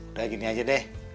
udah gini aja deh